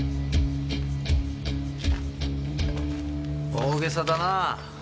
大げさだなあ。